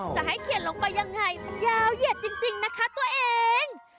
จะให้เขียนลงไปยังไงมันยาวเหยียดจริงนะคะตัวเอง